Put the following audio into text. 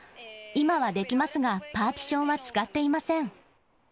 今はできますが、パーティションは使っていません。